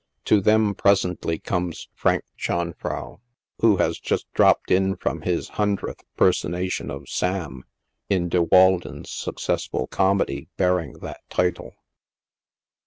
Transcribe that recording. To them present ly comes Frank Chanfrau, who has just dropped in from his hun dredth personation of " Sam/"' in Be Walden's successful comedy bearing that title.